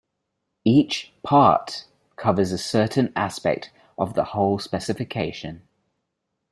Each "part" covers a certain aspect of the whole specification.